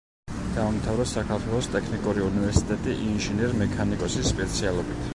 დაამთავრა საქართველოს ტექნიკური უნივერსიტეტი ინჟინერ-მექანიკოსის სპეციალობით.